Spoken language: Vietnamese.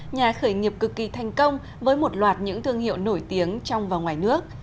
nhà khởi nghiệp cực kỳ thành công với một loạt những thương hiệu nổi tiếng trong và ngoài nước